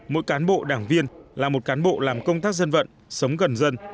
mỗi cán bộ đảng viên là một cán bộ làm công tác dân vận sống gần dân